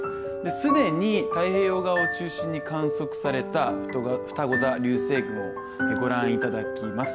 既に太平洋側を中心に観測されたふたご座流星群をご覧いただきます。